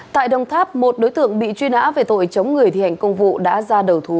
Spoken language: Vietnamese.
tại đồng tháp một đối tượng bị truy nã về tội chống người thi hành công vụ đã ra đầu thú